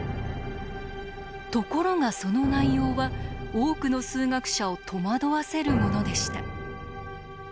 ところがその内容は多くの数学者を戸惑わせるものでした。